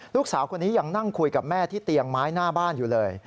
ลูกสาวคนนี้ยังนั่งคุยกับแม่ที่เตียงไม้หน้าบ้านอยู่เลย